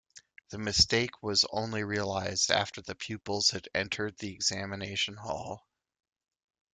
The mistake was only realised after the pupils had entered the examination hall.